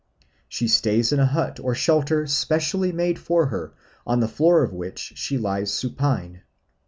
She stays in a hut or shelter specially made for her, on the floor of which she lies supine.